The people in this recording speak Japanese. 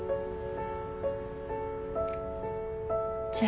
じゃあ。